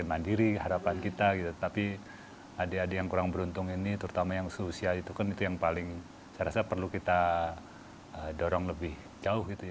dan bersama kami indonesia forward masih akan kembali sesaat lagi